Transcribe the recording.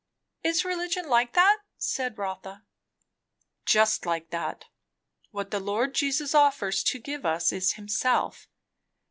"Is religion like that?" said Rotha. "Just like that. What the Lord Jesus offers to give us is himself.